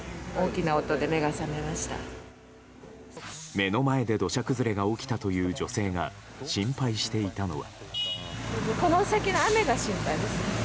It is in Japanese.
目の前で土砂崩れが起きたという女性が心配していたのは。